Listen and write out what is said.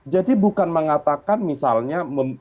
jadi bukan mengatakan misalnya